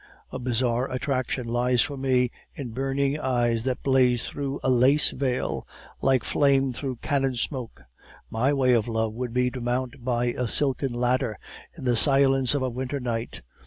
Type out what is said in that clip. A bizarre attraction lies for me in burning eyes that blaze through a lace veil, like flame through cannon smoke. My way of love would be to mount by a silken ladder, in the silence of a winter night.